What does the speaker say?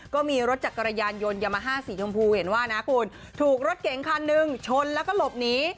ก็มีรถจักรยานยนต์ยามาฮ่าสีชมพูเห็นว่านะคุณถูกรถเก๋งคันหนึ่งชนแล้วก็หลบหนี